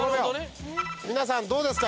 皆さんどうですか？